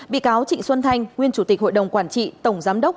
bị cáo trịnh xuân thanh nguyên chủ tịch hội đồng quản trị tổng giám đốc